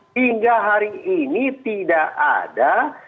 hingga hari ini tidak ada